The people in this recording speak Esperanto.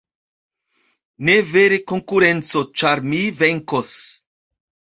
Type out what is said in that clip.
.... Ne vere konkurenco, ĉar mi venkos.